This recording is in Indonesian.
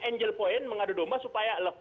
angel point mengadu domba supaya